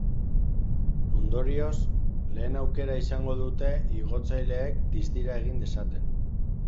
Ondorioz, lehen aukera izango dute igotzaileek distira egin dezaten.